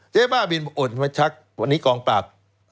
บ้าบินอดมาชักวันนี้กองปราบ